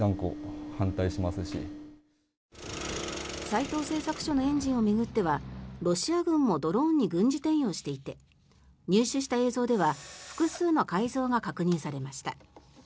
斎藤製作所のエンジンを巡ってはロシア軍もドローンに軍事転用していて入手した映像では複数の改造が確認されました。